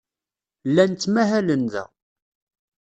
Llan ttmahalen da.